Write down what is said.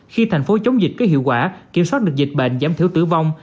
khi thành phố chống dịch có hiệu quả kiểm soát được dịch bệnh giảm thiểu tử vong